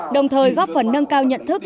đồng thời góp phần nâng cao nhận thức